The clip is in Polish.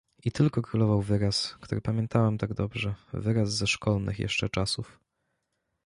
"I tylko królował wyraz, który pamiętałem tak dobrze, wyraz ze szkolnych jeszcze czasów."